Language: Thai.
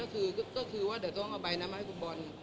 ก็คือว่าเดี๋ยวต้องเอาใบนั้นมาให้คุณบอล